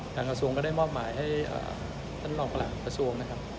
กระทรวงก็ได้มอบหมายให้ท่านรองประหลัดกระทรวงนะครับ